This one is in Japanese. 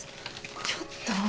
ちょっと！